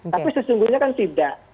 tapi sesungguhnya kan tidak